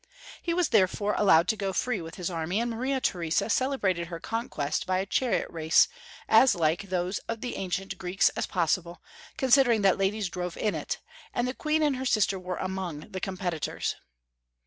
He was therefore allowed to go free with his army, a,nd Maria Theresa celebrated her conquest Karl Vn. 399 by a chariot race, as like those of the ancient Greeks as possible, considering that ladies drove in it, and the Queen and her sister were among the competitors.